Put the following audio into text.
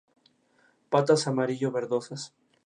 Fue enterrado en el cementerio de la Unión de Calgary.